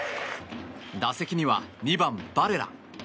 打席には２番、バレラ。